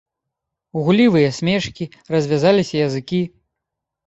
Гуллівыя смешкі, развязаліся языкі.